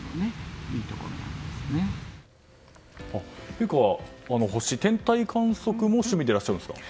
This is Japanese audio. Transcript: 陛下は天体観測も趣味でいらっしゃるんですか？